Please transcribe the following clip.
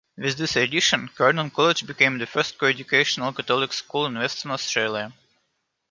With this addition, Kearnan College became the first coeducational Catholic school in Western Australia.